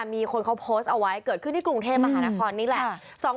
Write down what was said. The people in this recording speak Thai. มีคนเขาโพสต์เอาไว้เกิดขึ้นที่กรุงเทพมหานครนี่แหละ